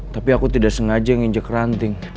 tapi aku tidak sengaja nginjek ranting